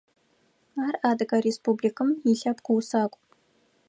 Ар Адыгэ Республикым илъэпкъ усакӏу.